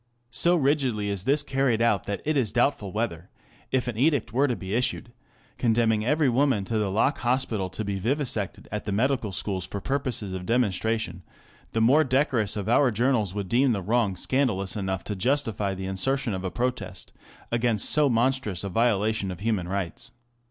So rigidly is this carried out that it is doubtful whether, if an edict were to be issued condemning every woman to the Lock Hospital to be vivisected at the medical schools for purposes of demonstration, the more decorous of our journals would deem the wrong scandalous enough to justify the insertion of a protest against so monstrous a violation of human rights.